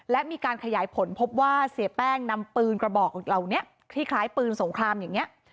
และมีการขยายผลพบว่าเสียแป้งนำปืนกระบอกเหล่านี้คล้ายปืนสงครามอย่างนี้